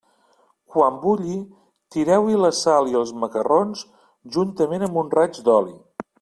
Quan bulli, tireu-hi la sal i els macarrons, juntament amb un raig d'oli.